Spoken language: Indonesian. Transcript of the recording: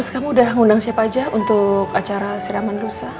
kamu sudah siap vocabulary untuk acara siraman dusa